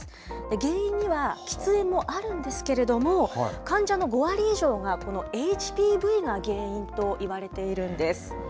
原因には喫煙もあるんですけれども、患者の５割以上が、このＨＰＶが原因といわれているんです。